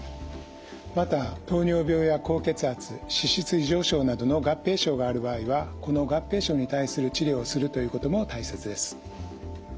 また糖尿病や高血圧脂質異常症などの合併症がある場合はこの合併症に対する治療をするということも大切です。